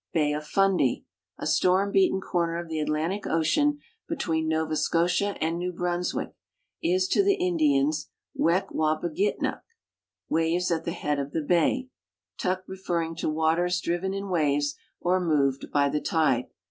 Bay of Fundy, a stoi'ni beaten eorner of the Atlantie ocean between Nova Scotia and New Brunswick, is to the Indians V/ekwal)e<i;ituk, " waves at the head of the bay," tuk referrin<:j to waters driven in waves or moved by the tide.